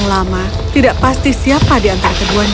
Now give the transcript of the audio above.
apakah setidaknya belgiumahlah masuk ke seluruh dunia